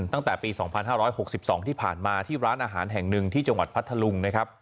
ตั้งแต่ปี๒๕๖๒ที่ผ่านมาที่ร้านอาหารแห่งนึงที่จังหวัดพระธรรม